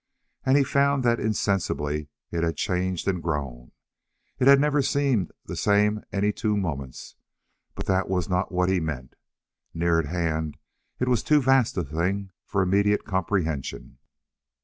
And he found that insensibly it had changed and grown. It had never seemed the same any two moments, but that was not what he meant. Near at hand it was too vast a thing for immediate comprehension.